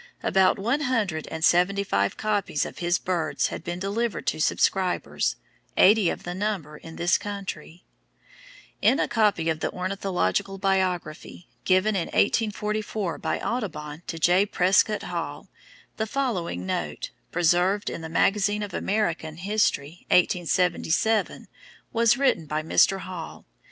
About one hundred and seventy five copies of his "Birds" had been delivered to subscribers, eighty of the number in this country. In a copy of the "Ornithological Biography" given in 1844 by Audubon to J. Prescott Hall, the following note, preserved in the Magazine of American History (1877) was written by Mr. Hall.